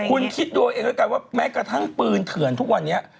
คุณคิดด้วยเองกันว่าแม้กระทั่งปืนเถื่อนทุกวันเนี่ย